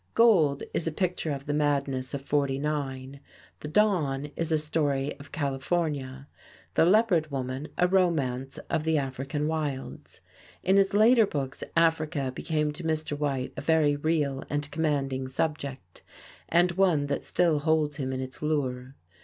"Gold" is a picture of the madness of '49. "The Dawn" is a story of California, "The Leopard Woman" a romance of the African wilds. In his later books, Africa became to Mr. White a very real and commanding subject and one that still holds him in its lure.